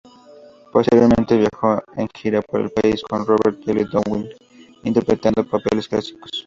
Posteriormente viajó en gira por el país con Robert L. Downing interpretando papeles clásicos.